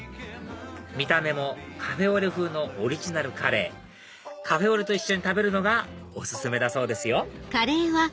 見た目もカフェオレ風のオリジナルカレーカフェオレと一緒に食べるのがお勧めだそうですよ